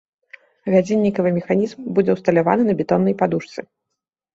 Гадзіннікавы механізм будзе ўсталяваны на бетоннай падушцы.